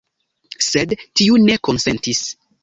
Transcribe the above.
Sed tiu ne konsentis.